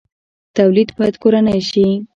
تولید باید کورنی شي